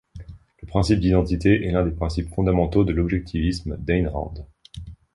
Le principe d'identité est l'un des principes fondamentaux de l'objectivisme d'Ayn Rand.